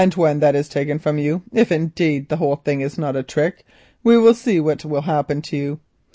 When that is taken from you, if, indeed, the whole thing is not a trick, we shall see what will happen to you.